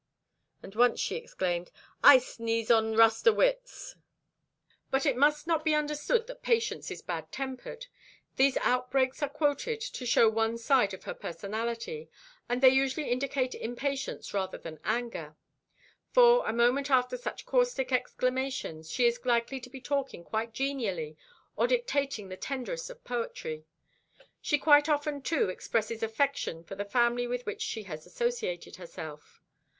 And once she exclaimed, "I sneeze on rust o' wits!" But it must not be understood that Patience is bad tempered. These outbreaks are quoted to show one side of her personality, and they usually indicate impatience rather than anger: for, a moment after such caustic exclamations, she is likely to be talking quite genially or dictating the tenderest of poetry. She quite often, too, expresses affection for the family with which she has associated herself.